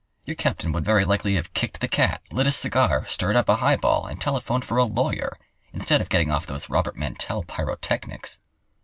Your captain would very likely have kicked the cat, lit a cigar, stirred up a highball, and telephoned for a lawyer, instead of getting off those Robert Mantell pyrotechnics."